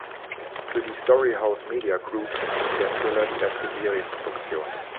Für die Story House Media Group ist der Thriller die erste Serienproduktion.